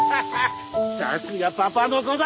さすがパパの子だ。